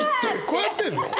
こうやってんの？